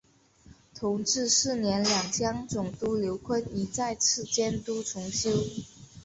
同治四年两江总督刘坤一再次监督重修。